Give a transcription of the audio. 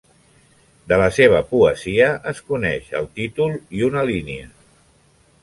De la seva poesia es coneix el títol i una línia.